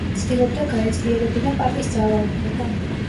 ცდილობდა გაეძლიერებინა პაპის ძალაუფლება.